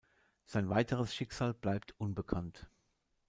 Sein weiteres Schicksal bleibt unbekannt.